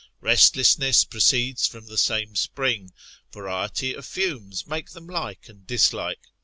Restlessness proceeds from the same spring, variety of fumes make them like and dislike.